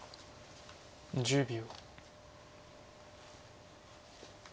１０秒。